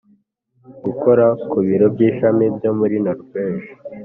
Gukora ku biro by ishami byo muri noruveje